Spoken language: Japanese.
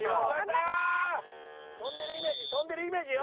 跳んでるイメージ跳んでるイメージよ。